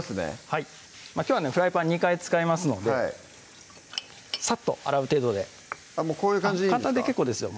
はいきょうはフライパン２回使いますのでさっと洗う程度でこういう感じでいいんですか？